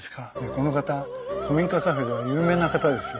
この方古民家カフェでは有名な方ですよ。